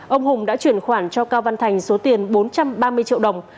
ông hùng đã chuyển khoản cho cao văn thành số tiền bốn trăm ba mươi triệu đồng